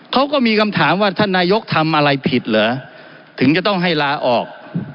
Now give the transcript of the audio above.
เขาก็มีคำถามว่าท่านนายกทำอะไรผิดเหรอถึงจะต้องให้ลาออก